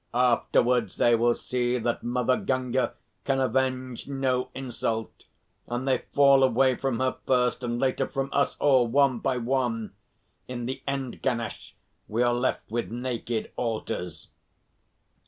"Afterwards they will see that Mother Gunga can avenge no insult, and they fall away from her first, and later from us all, one by one. In the end, Ganesh, we are left with naked altars."